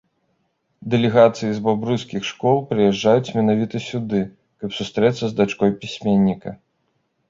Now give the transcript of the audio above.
Дэлегацыі з бабруйскіх школ прыязджаюць менавіта сюды, каб сустрэцца з дачкой пісьменніка.